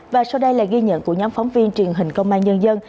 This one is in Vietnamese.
và sau đây là ghi nhận của nhóm phóng viên truyền hình công an nhân dân